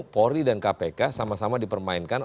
polri dan kpk sama sama dipermainkan